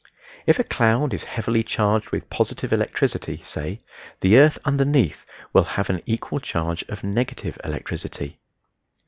If a cloud is heavily charged with positive electricity, say, the earth underneath will have an equal charge of negative electricity.